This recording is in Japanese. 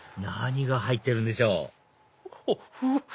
何が入ってるんでしょう？